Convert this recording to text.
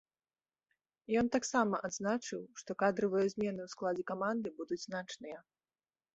Ён таксама адзначыў, што кадравыя змены ў складзе каманды будуць значныя.